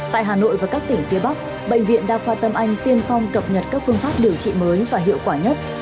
tại hà nội và các tỉnh phía bắc bệnh viện đa khoa tâm anh tiên phong cập nhật các phương pháp điều trị mới và hiệu quả nhất